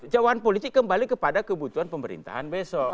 jawaban politik kembali kepada kebutuhan pemerintahan besok